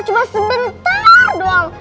coba sebentar doang